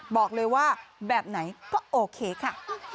บอกเลยว่าแบบไหนก็โอเคค่ะ